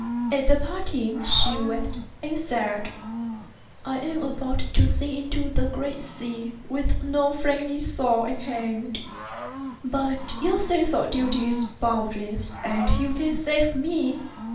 At parting she wept, and said, " I am about to sink into the great sea, with no friendly shore at hand. But your sense of duty is boundless, and you can save me.